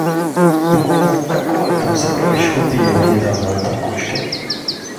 Ну, какое там сокровище купили вы недавно на толкучке?